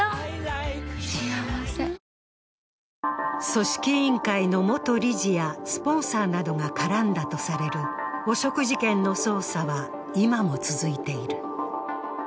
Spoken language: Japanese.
組織委員会の元理事やスポンサーなどが絡んだとされる汚職事件の捜査は、今も続いている。